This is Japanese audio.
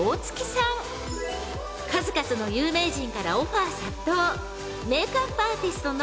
［数々の有名人からオファー殺到］